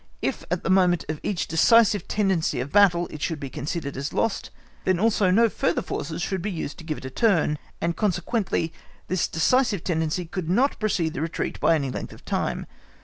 If at the moment of each decisive tendency of a battle it should be considered as lost, then also no further forces should be used to give it a turn, and consequently this decisive tendency could not precede the retreat by any length of time.